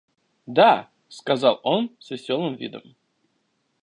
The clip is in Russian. «Да! – сказал он с веселым видом.